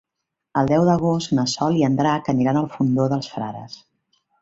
El deu d'agost na Sol i en Drac aniran al Fondó dels Frares.